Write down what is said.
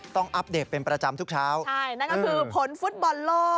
อัปเดตเป็นประจำทุกเช้าใช่นั่นก็คือผลฟุตบอลโลก